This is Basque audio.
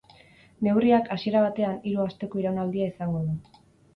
Neurriak, hasiera batean, hiru asteko iraunaldia izango du.